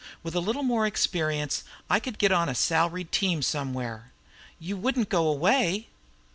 With a little more experience I could get on a salaried team some where." "You wouldn't go away?"